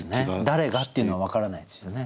「誰が」っていうのは分からないですよね。